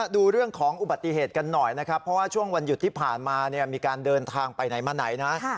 ดูเรื่องของอุบัติเหตุกันหน่อยนะครับเพราะว่าช่วงวันหยุดที่ผ่านมามีการเดินทางไปไหนมาไหนนะ